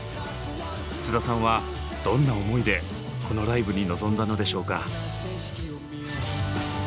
菅田さんはどんな思いでこのライブに臨んだのでしょうか？